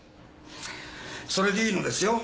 それでいいのですよ。